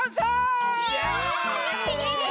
イエイ！